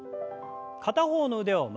片方の腕を前に。